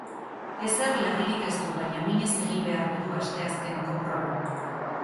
Ezer larririk ez du, baina minez egin beharko du asteazkeneko proba.